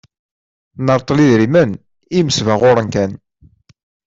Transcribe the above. Nreṭṭel idrimen i yimesbaɣuren kan.